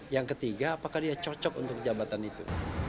yang ketiga apakah dia cocok untuk jabatan itu